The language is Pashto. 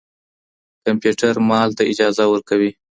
کمپيوټر مال ته اجازه ورکوي.